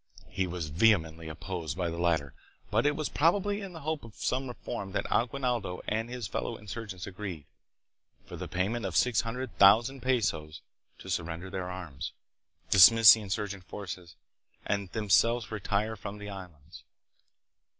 He was vehe mently opposed by the latter, but it was probably in the hope of some reforms that Aguinaldo and his fellow insurgents agreed, for the payment of 600,000 pesos, to surrender their arms, dismiss the insurgent forces, and themselves retire from the Islands.